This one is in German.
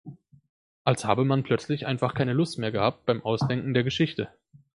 Als habe man plötzlich einfach keine Lust mehr gehabt beim Ausdenken der Geschichte.